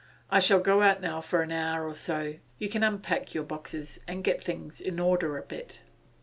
I shall go out now for an hour or so. You can unpack your boxes and get things in order a bit.